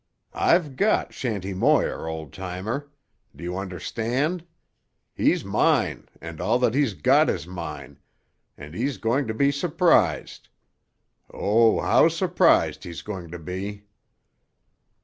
I've got Shanty Moir, old timer. Do you understand? He's mine and all that he's got is mine, and he's going to be surprised. Oh, how surprised he's going to be!"